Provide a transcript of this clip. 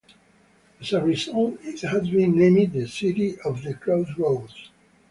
As a result, it has been named "The City of the Crossroads".